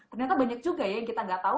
ternyata banyak juga ya yang kita nggak tahu